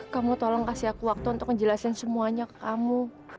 kamu tolong kasih aku waktu untuk ngejelasin semuanya ke kamu